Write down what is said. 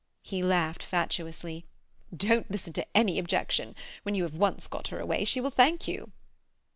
He laughed fatuously. "Don't listen to any objection. When you have once got her away she will thank you."